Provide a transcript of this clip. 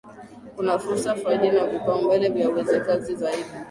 Kuna fursa faida na vipaumbele vya uwekezaji zaidi